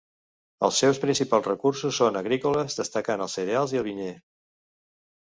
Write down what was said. Els seus principals recursos són agrícoles, destacant els cereals i el vinyer.